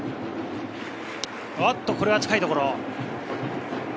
おっと、これは近いところ。